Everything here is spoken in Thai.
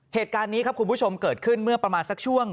เหตุการณ์นี้ครับคุณผู้ชมเกิดขึ้นเมื่อประมาณสักช่วง